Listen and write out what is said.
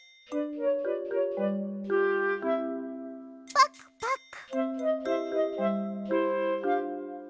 パクパク。